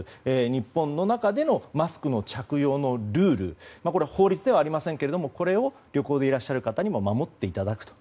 日本の中でのマスクの着用のルールは法律ではありませんが、これを旅行でいらっしゃる方にも守っていただくと。